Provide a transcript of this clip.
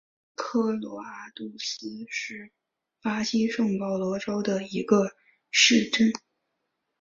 科罗阿杜斯是巴西圣保罗州的一个市镇。